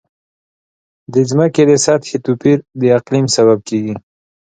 د ځمکې د سطحې توپیر د اقلیم سبب کېږي.